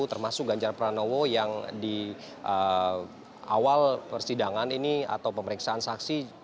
termasuk ganjar pranowo yang di awal persidangan ini atau pemeriksaan saksi